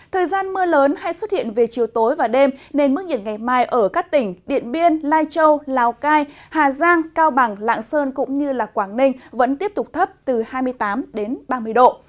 thời gian mưa lớn hay xuất hiện về chiều tối và đêm nên mức nhiệt ngày mai ở các tỉnh điện biên lai châu lào cai hà giang cao bằng lạng sơn cũng như quảng ninh vẫn tiếp tục thấp từ hai mươi tám đến ba mươi độ